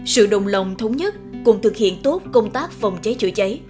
sự đồng lòng thống nhất cùng thực hiện tốt công tác phòng cháy chữa cháy